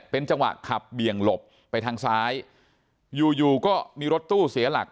เป็นจังหวะขับเบี่ยงหลบไปทางซ้ายอยู่อยู่ก็มีรถตู้เสียหลัก